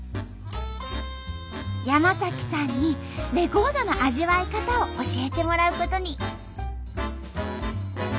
山さんにレコードの味わい方を教えてもらうことに。